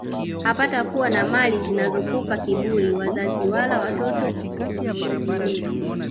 hapatakuwa na mali zinazokupa kiburi wazazi wala watoto unaojivunia